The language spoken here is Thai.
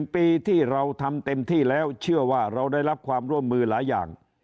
๑ปีที่เราทำเต็มที่แล้วเชื่อว่าเราได้รับความร่วมมือหลายอย่าง